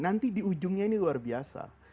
nanti di ujungnya ini luar biasa